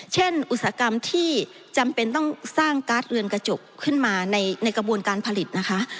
อุตสาหกรรมที่จำเป็นต้องสร้างการ์ดเรือนกระจกขึ้นมาในกระบวนการผลิตนะคะ